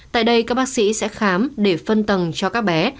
tại đây các bác sĩ sẽ khám để phân tầng cho các bé